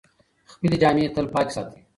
خپلې جامې تل پاکې ساتئ.